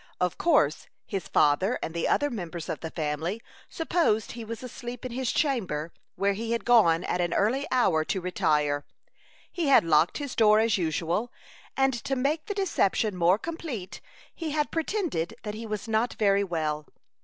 Of course his father and the other members of the family supposed he was asleep in his chamber, where he had gone at an early hour to retire. He had locked his door as usual, and to make the deception more complete, he had pretended that he was not very well.